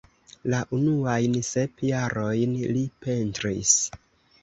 La unuajn sep jarojn li pentris.